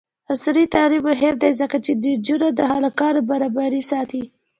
عصري تعلیم مهم دی ځکه چې د نجونو او هلکانو برابري ساتي.